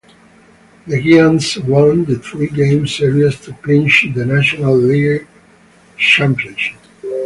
The Giants won the three-game series to clinch the National League championship.